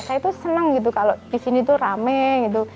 saya itu senang gitu kalau di sini tuh rame gitu